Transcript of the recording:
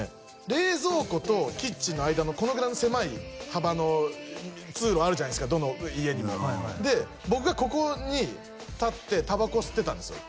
冷蔵庫とキッチンの間のこのぐらいの狭い幅の通路あるじゃないですかどの家にもで僕がここに立ってタバコを吸ってたんですよ